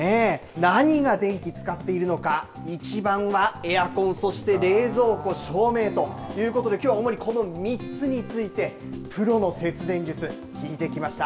何が電気使っているのか、一番はエアコン、そして冷蔵庫、照明ということで、きょうは主にこの３つについて、プロの節電術、聞いてきました。